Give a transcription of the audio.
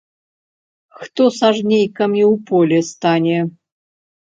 Хто з жнейкамі ў полі стане?